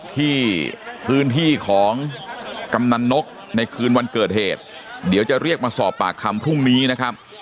ที่พื้นที่ของกำนันนกในคืนวันเกิดเหตุเดี๋ยวจะเรียกมาสอบปากคำพรุ่งนี้นะครับ